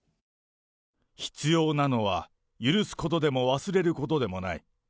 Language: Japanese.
必要なのは許すことでも、忘れることでもない。